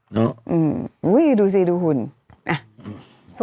อืมดูสิดูหุ่นอ่ะ